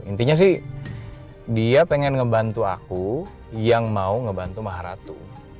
intinya sih dia pengen ngebantu aku yang mau ngebantu maharatu